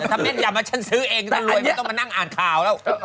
ถ้าแม่นยำว่าฉันซื้อเองก็รวยไม่ต้องมานั่งอ่านข่าวแล้ว